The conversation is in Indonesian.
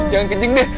jangan kencing deh